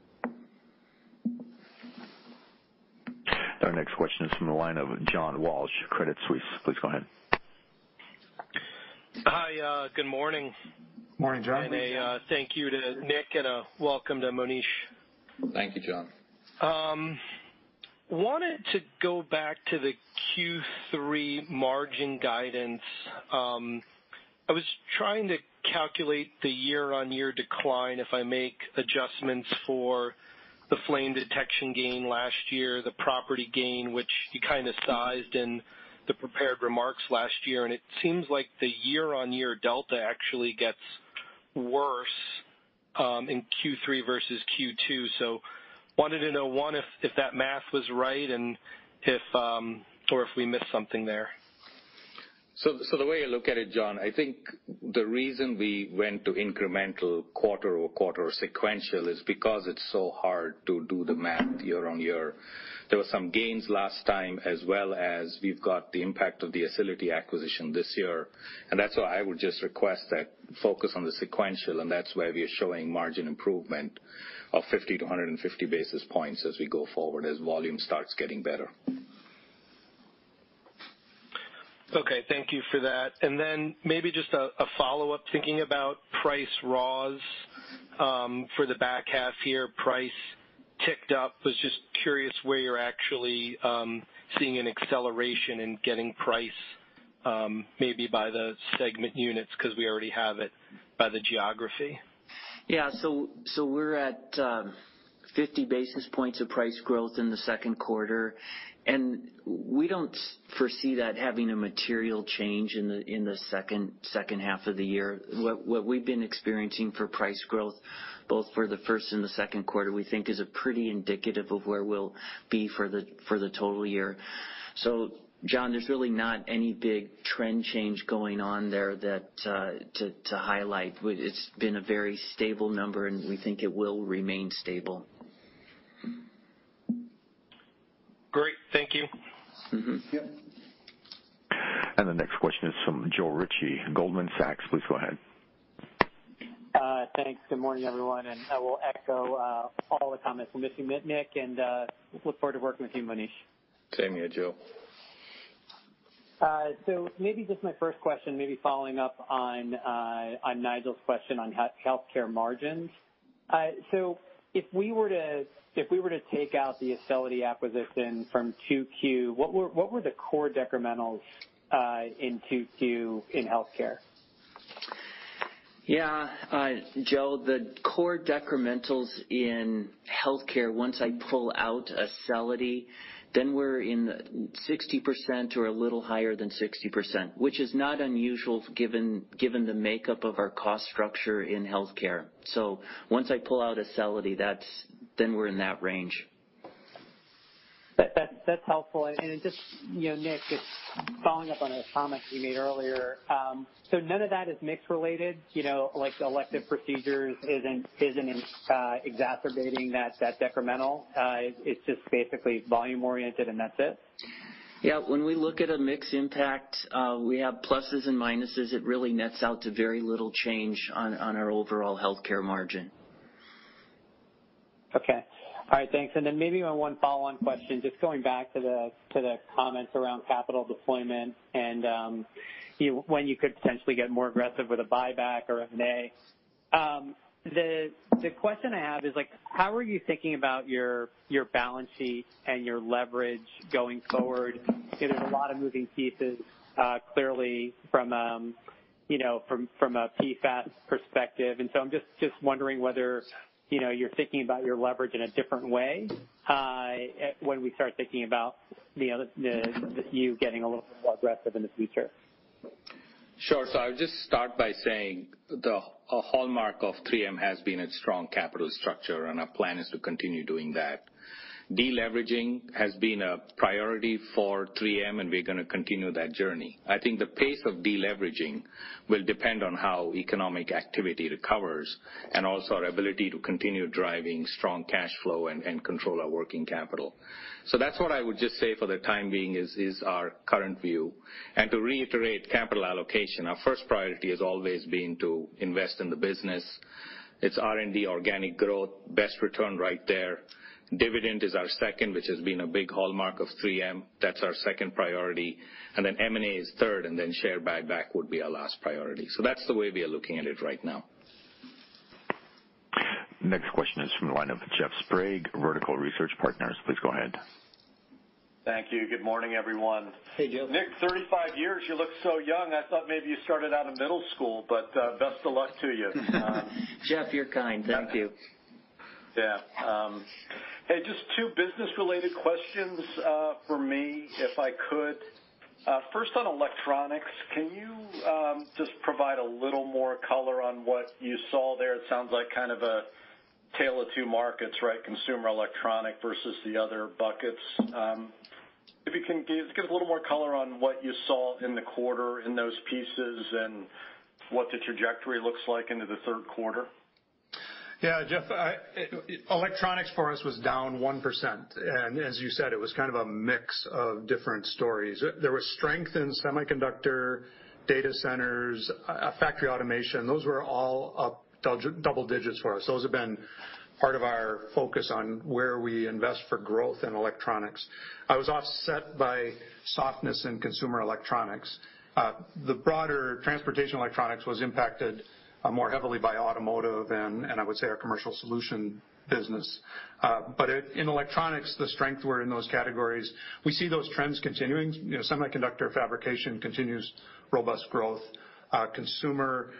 Our next question is from the line of John Walsh, Credit Suisse. Please go ahead. Hi, good morning. Morning, John. A thank you to Nick and a welcome to Monish. Thank you, John. Wanted to go back to the Q3 margin guidance. I was trying to calculate the year-on-year decline if I make adjustments for the flame detection gain last year, the property gain, which you kind of sized in the prepared remarks last year, and it seems like the year-on-year delta actually gets worse in Q3 versus Q2. I wanted to know, one, if that math was right or if we missed something there? The way I look at it, John, I think the reason we went to incremental quarter-over-quarter sequential is because it's so hard to do the math year-on-year. There were some gains last time as well as we've got the impact of the Acelity acquisition this year. That's why I would just request that focus on the sequential, and that's where we are showing margin improvement of 50-150 basis points as we go forward, as volume starts getting better. Okay, thank you for that. Then maybe just a follow-up, thinking about price raws for the back half year. Price ticked up. I was just curious where you're actually seeing an acceleration in getting price, maybe by the segment units, because we already have it by the geography. Yeah. We're at 50 basis points of price growth in the second quarter, and we don't foresee that having a material change in the second half of the year. What we've been experiencing for price growth, both for the first and the second quarter, we think is pretty indicative of where we'll be for the total year. John, there's really not any big trend change going on there to highlight. It's been a very stable number, and we think it will remain stable. Great. Thank you. Yep. The next question is from Joe Ritchie, Goldman Sachs. Please go ahead. Thanks. Good morning, everyone, and I will echo all the comments. Missing Nick and look forward to working with you, Monish. Same here, Joe. Maybe just my first question, maybe following up on Nigel's question on healthcare margins. If we were to take out the Acelity acquisition from 2Q, what were the core decrementals in 2Q in healthcare? Yeah. Joe, the core decrementals in healthcare, once I pull out Acelity, then we're in 60% or a little higher than 60%, which is not unusual given the makeup of our cost structure in healthcare. Once I pull out Acelity, then we're in that range. That's helpful. Nick, just following up on a comment you made earlier. None of that is mix related, like elective procedures isn't exacerbating that decremental. It's just basically volume-oriented and that's it? Yeah. When we look at a mix impact, we have pluses and minuses. It really nets out to very little change on our overall healthcare margin. Okay. All right, thanks. Maybe one follow-on question, just going back to the comments around capital deployment and when you could potentially get more aggressive with a buyback or M&A. The question I have is: how are you thinking about your balance sheet and your leverage going forward? There's a lot of moving pieces, clearly from a PFAS perspective, and so I'm just wondering whether you're thinking about your leverage in a different way, when we start thinking about you getting a little bit more aggressive in the future. Sure. I would just start by saying the hallmark of 3M has been its strong capital structure, and our plan is to continue doing that. Deleveraging has been a priority for 3M, and we're going to continue that journey. I think the pace of deleveraging will depend on how economic activity recovers and also our ability to continue driving strong cash flow and control our working capital. That's what I would just say for the time being, is our current view. To reiterate capital allocation, our first priority has always been to invest in the business. It's R&D, organic growth, best return right there. Dividend is our second, which has been a big hallmark of 3M. That's our second priority. Then M&A is third, and then share buyback would be our last priority. That's the way we are looking at it right now. Next question is from the line of Jeff Sprague, Vertical Research Partners. Please go ahead. Thank you. Good morning, everyone. Hey, Jeff. Nick, 35 years, you look so young. I thought maybe you started out in middle school, but best of luck to you. Jeff, you're kind. Thank you. Yeah. Hey, just two business-related questions for me, if I could. First, on electronics, can you just provide a little more color on what you saw there? It sounds like kind of a tale of two markets, right? Consumer electronics versus the other buckets. If you can give a little more color on what you saw in the quarter in those pieces and what the trajectory looks like into the third quarter. Yeah, Jeff, electronics for us was down 1%. As you said, it was kind of a mix of different stories. There was strength in semiconductor data centers, factory automation. Those were all up double digits for us. Those have been part of our focus on where we invest for growth in electronics. I was offset by softness in consumer electronics. The broader Transportation Electronics was impacted more heavily by automotive and I would say our commercial solution business. In electronics, the strength were in those categories. We see those trends continuing. Semiconductor fabrication continues robust growth. Consumer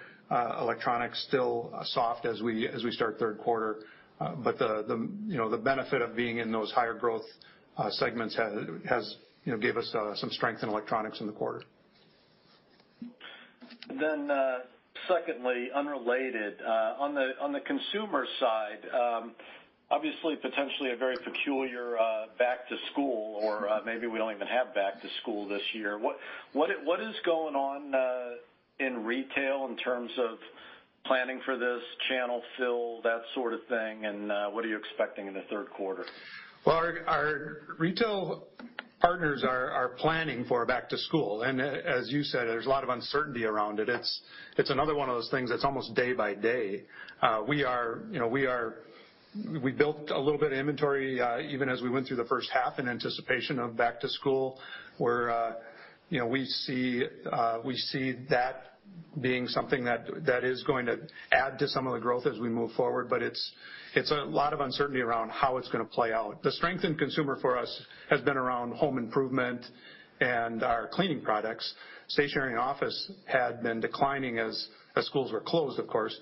electronics still soft as we start third quarter. The benefit of being in those higher growth segments gave us some strength in electronics in the quarter. Secondly, unrelated, on the consumer side, obviously potentially a very peculiar back to school or maybe we don't even have back to school this year. What is going on in retail in terms of planning for this channel fill, that sort of thing, and what are you expecting in the third quarter? Well, our retail partners are planning for back to school. As you said, there's a lot of uncertainty around it. It's another one of those things that's almost day-by-day. We built a little bit of inventory even as we went through the first half in anticipation of back to school, where we see that being something that is going to add to some of the growth as we move forward, but it's a lot of uncertainty around how it's going to play out. The strength in consumer for us has been around home improvement and our cleaning products. Stationery and office had been declining as schools were closed, of course.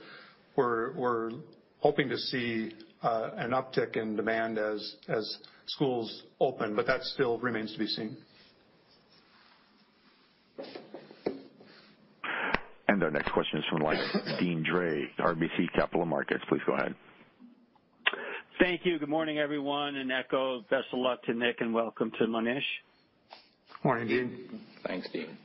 We're hoping to see an uptick in demand as schools open, but that still remains to be seen. Our next question is from the line of Deane Dray, RBC Capital Markets. Please go ahead. Thank you. Good morning, everyone, and echo best of luck to Nick and welcome to Monish. Morning, Deane. Thanks, Deane.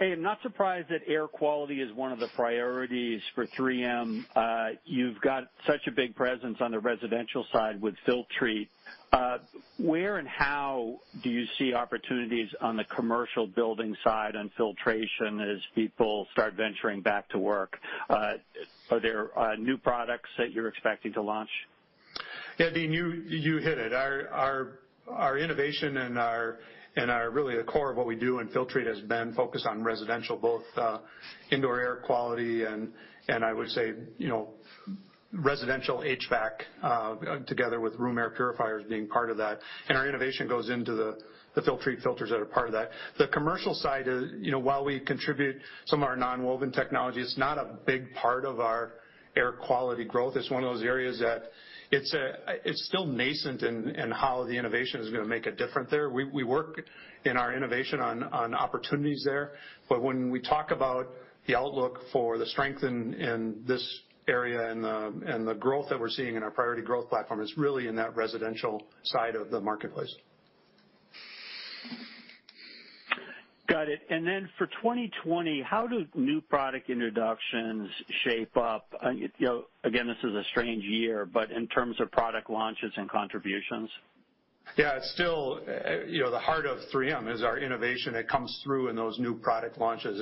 Hey, I'm not surprised that air quality is one of the priorities for 3M. You've got such a big presence on the residential side with Filtrete. Where and how do you see opportunities on the commercial building side and filtration as people start venturing back to work? Are there new products that you're expecting to launch? Yeah, Deane, you hit it. Our innovation and our really the core of what we do in Filtrete has been focused on residential, both indoor air quality and I would say residential HVAC together with room air purifiers being part of that, and our innovation goes into the Filtrete filters that are part of that. The commercial side, while we contribute some of our nonwoven technology, it's not a big part of our air quality growth. It's one of those areas that it's still nascent in how the innovation is going to make a difference there. We work in our innovation on opportunities there. When we talk about the outlook for the strength in this area and the growth that we're seeing in our priority growth platform is really in that residential side of the marketplace. For 2020, how do new product introductions shape up? Again, this is a strange year, but in terms of product launches and contributions. Yeah. Still, the heart of 3M is our innovation that comes through in those new product launches.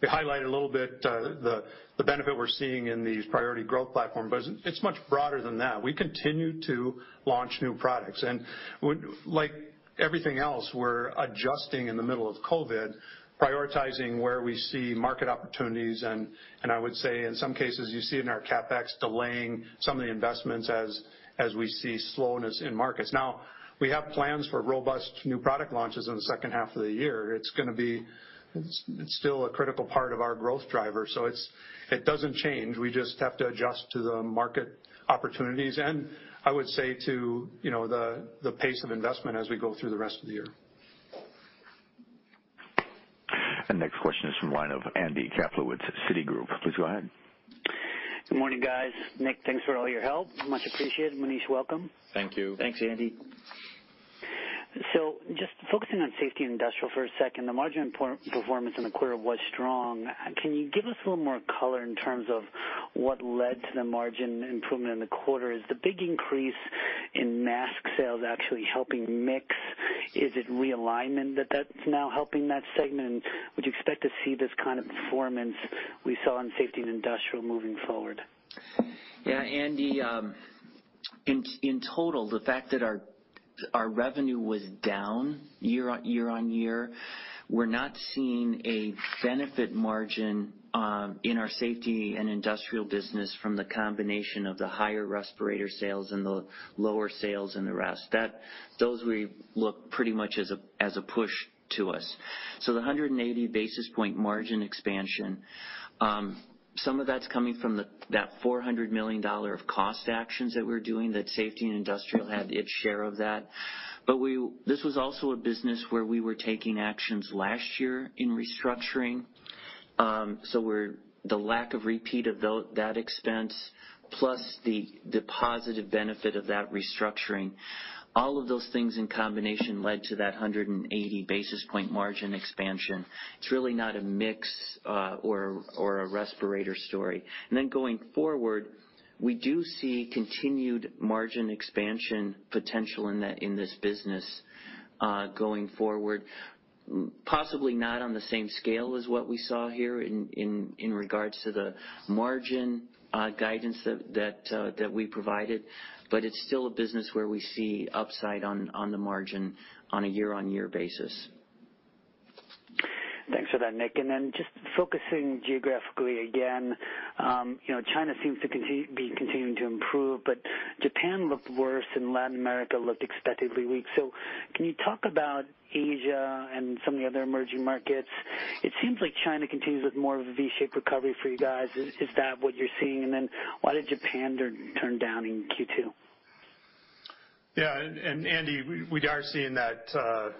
We highlighted a little bit the benefit we're seeing in the priority growth platform, but it's much broader than that. We continue to launch new products, and like everything else, we're adjusting in the middle of COVID, prioritizing where we see market opportunities, and I would say, in some cases, you see in our CapEx delaying some of the investments as we see slowness in markets. Now, we have plans for robust new product launches in the second half of the year. It's still a critical part of our growth driver. It doesn't change. We just have to adjust to the market opportunities, and I would say to the pace of investment as we go through the rest of the year. The next question is from the line of Andy Kaplowitz, Citigroup. Please go ahead. Good morning, guys. Nick, thanks for all your help. Much appreciated. Monish, welcome. Thank you. Thanks, Andy. Just focusing on Safety and Industrial for a second, the margin performance in the quarter was strong. Can you give us a little more color in terms of what led to the margin improvement in the quarter? Is the big increase in mask sales actually helping mix? Is it realignment that's now helping that segment? Would you expect to see this kind of performance we saw on Safety and Industrial moving forward? Yeah. Andy, in total, the fact that our revenue was down year-on-year, we're not seeing a benefit margin in our Safety and Industrial business from the combination of the higher respirator sales and the lower sales in the rest. Those we look pretty much as a push to us. The 180 basis point margin expansion, some of that's coming from that $400 million of cost actions that we're doing, that Safety and Industrial had its share of that. This was also a business where we were taking actions last year in restructuring. The lack of repeat of that expense plus the positive benefit of that restructuring, all of those things in combination led to that 180 basis point margin expansion. It's really not a mix or a respirator story. Going forward, we do see continued margin expansion potential in this business going forward, possibly not on the same scale as what we saw here in regards to the margin guidance that we provided, but it's still a business where we see upside on the margin on a year-on-year basis. Thanks for that, Nick. Just focusing geographically again, China seems to be continuing to improve, but Japan looked worse, and Latin America looked expectedly weak. Can you talk about Asia and some of the other emerging markets? It seems like China continues with more of a V-shaped recovery for you guys. Is that what you're seeing? Why did Japan turn down in Q2? Yeah. Andy, we are seeing that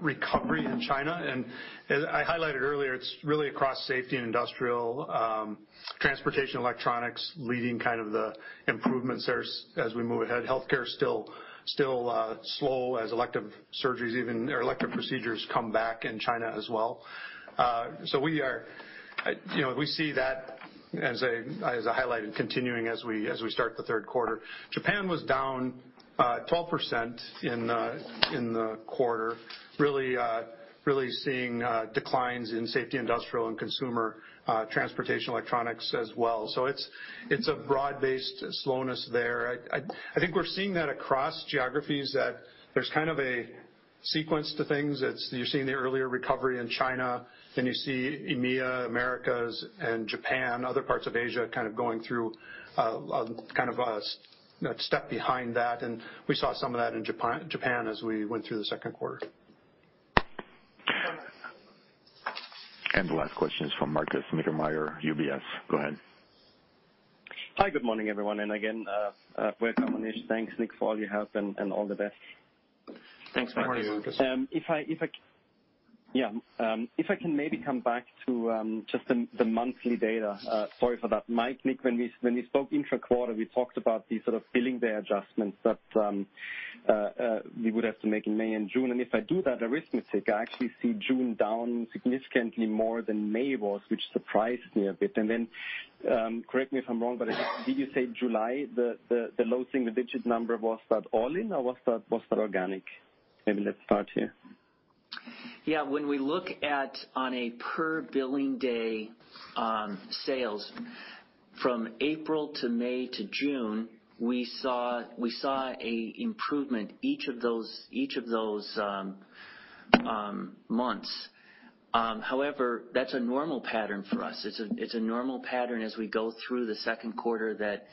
recovery in China, as I highlighted earlier, it's really across Safety and Industrial, Transportation and Electronics leading the improvements there as we move ahead. Healthcare is still slow as elective surgeries even, or elective procedures come back in China as well. We see that, as I highlighted, continuing as we start the third quarter. Japan was down 12% in the quarter, really seeing declines in Safety and Industrial, and consumer, Transportation and Electronics as well. It's a broad-based slowness there. I think we're seeing that across geographies, that there's kind of a sequence to things. You're seeing the earlier recovery in China, then you see EMEA, Americas, and Japan, other parts of Asia kind of going through a step behind that, and we saw some of that in Japan as we went through the second quarter. The last question is from Markus Mittermaier, UBS. Go ahead. Hi. Good morning, everyone. Again, welcome, Monish. Thanks, Nick, for all your help and all the best. Thanks, Markus. Good morning, Markus. If I can maybe come back to just the monthly data. Sorry for that, Mike, Nick, when we spoke intra-quarter, we talked about these sort of billing day adjustments that we would have to make in May and June. If I do that arithmetic, I actually see June down significantly more than May was, which surprised me a bit. Then, correct me if I'm wrong, but did you say July, the low single-digit number, was that all in or was that organic? Maybe let's start here. Yeah, when we look at on a per billing day sales from April to May to June, we saw an improvement each of those months. That's a normal pattern for us. It's a normal pattern as we go through the second quarter that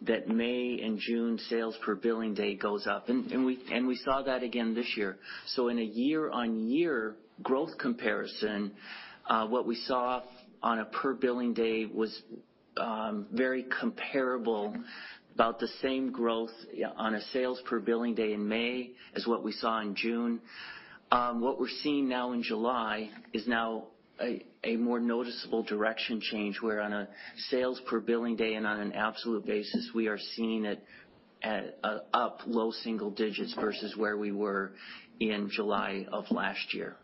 May and June sales per billing day goes up, and we saw that again this year. In a year-on-year growth comparison, what we saw on a per billing day was very comparable, about the same growth on a sales per billing day in May as what we saw in June. What we're seeing now in July is now a more noticeable direction change where on a sales per billing day and on an absolute basis, we are seeing it. Up low single digits versus where we were in July of last year.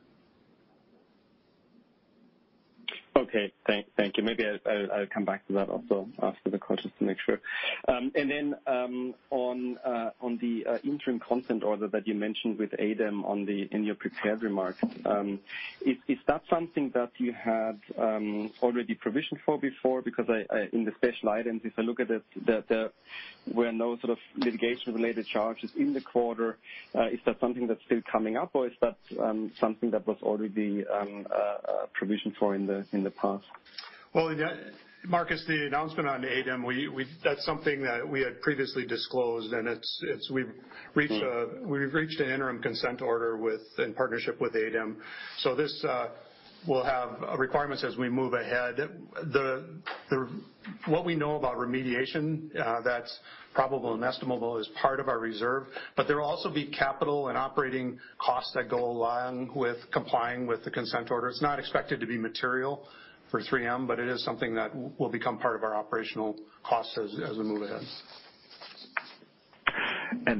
Okay. Thank you. Maybe I'll come back to that also after the call just to make sure. Then on the interim consent order that you mentioned with ADEM in your prepared remarks, is that something that you had already provisioned for before? Because in the special items, if I look at it, there were no sort of litigation-related charges in the quarter. Is that something that's still coming up or is that something that was already provisioned for in the past? Well, Markus, the announcement on ADEM, that's something that we had previously disclosed, and we've reached an interim consent order in partnership with ADEM. This will have requirements as we move ahead. What we know about remediation that's probable and estimable is part of our reserve, but there will also be capital and operating costs that go along with complying with the consent order. It's not expected to be material for 3M, but it is something that will become part of our operational costs as we move ahead.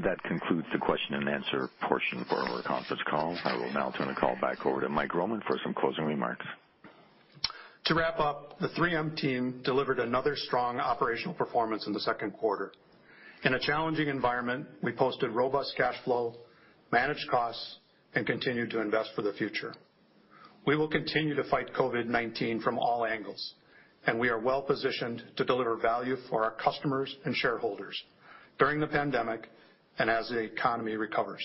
That concludes the question and answer portion for our conference call. I will now turn the call back over to Mike Roman for some closing remarks. To wrap up, the 3M team delivered another strong operational performance in the second quarter. In a challenging environment, we posted robust cash flow, managed costs, and continued to invest for the future. We will continue to fight COVID-19 from all angles, and we are well-positioned to deliver value for our customers and shareholders during the pandemic and as the economy recovers.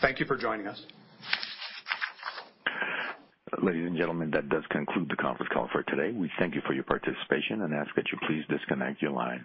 Thank you for joining us. Ladies and gentlemen, that does conclude the conference call for today. We thank you for your participation and ask that you please disconnect your line.